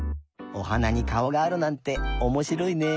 おはなにかおがあるなんておもしろいね。